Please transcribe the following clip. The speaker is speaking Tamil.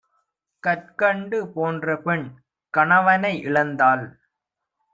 கற்கண்டு போன்றபெண் கணவனை இழந் தால்